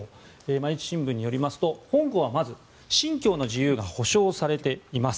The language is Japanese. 毎日新聞によりますと香港はまず信教の自由が保障されています。